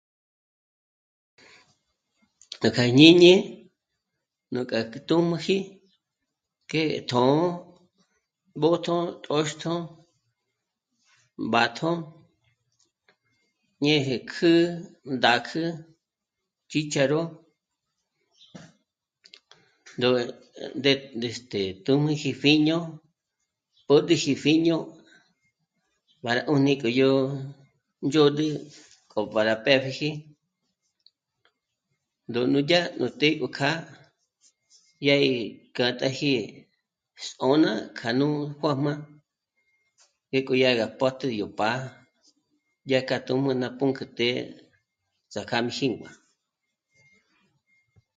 Núj kja íjñíni nújkjà tū̀jmū̀ji que tjṓ'o b'ö̌tjo tôxtjo mbátjo ñéje kjǜ'ü ndákjü chícharo, ndó... ndé, eh..., este..., tùmujipjíño, pö́d'üjipjíño, mbá 'ùni k'óyò ndzhôd'ü k'o pâra péb'iji ndó núdyà nú té gú kja dyà gí kjâtaji s'ôna kja nú juā̌jmā ngéko dyá gá mbótjü yó pá'a dyák'a tùnü ná pǔnk'ü té ts'aká mí xîngua